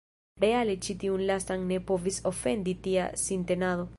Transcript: Reale ĉi tiun lastan ne povis ofendi tia sintenado.